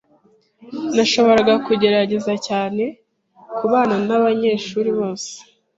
Nashoboraga kugerageza cyane kubana nabanyeshuri bose.